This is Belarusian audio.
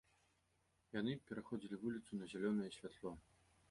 Яны пераходзілі вуліцу на зялёнае святло.